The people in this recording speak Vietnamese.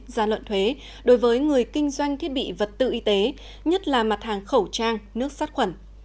gia luận thuế đối với người kinh doanh thiết bị vật tư y tế nhất là mặt hàng khẩu trang nước sát khuẩn